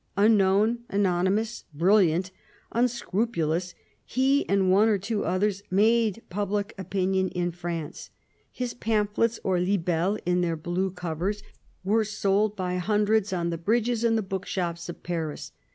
Unknown, anonymous, brilliant, unscrupulous, he and one or two others made public opinion in France. His pamphlets or libelles, in their blue covers, were sold 138 CARDINAL DE RICHELIEU by hundreds on the bridges and in the book shops of Paris.